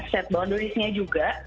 set boundaries nya juga